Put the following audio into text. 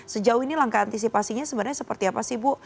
sejauh ini langkah antisipasinya sebenarnya seperti apa sih bu